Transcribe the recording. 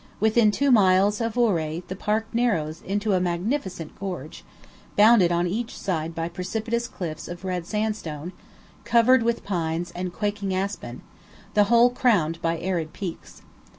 Within two miles of Ouray the park narrows into a magnificent gorge, bounded on each side by precipitous cliffs of red sandstone, covered with pines and quaking aspen, the whole crowned by arid peaks.